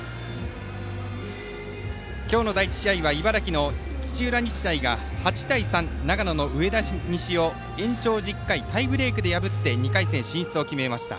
今日の第１試合は茨城の土浦日大が８対３で長野の上田西を延長１０回タイブレークで破って２回戦進出を決めました。